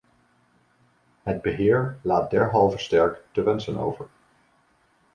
Het beheer laat derhalve sterk te wensen over.